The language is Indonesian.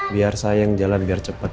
biar saya yang jalan biar cepat